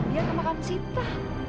dia ke makam sita